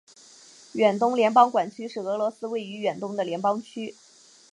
远东联邦管区是俄罗斯位于远东的联邦区。